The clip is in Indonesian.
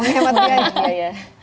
hemat biaya juga ya